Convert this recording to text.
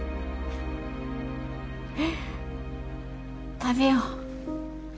食べよう。